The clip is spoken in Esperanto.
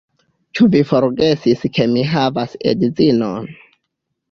Ĉu vi forgesis ke mi havas edzinon?